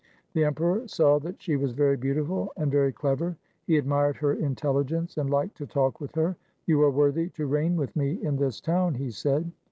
The emperor saw that she was very beautiful and very clever. He admired her intelligence and liked to talk with her. "You are worthy to reign with me in this town," he said.